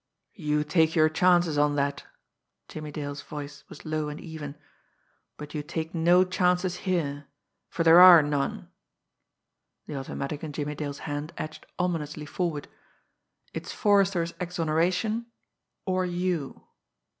"You take your chances on that" Jimmie Dale's voice was low and even "but you take no chances here for there are none." The automatic in Jimmie Dale's hand edged ominously forward. "It's Forrester's exoneration or you.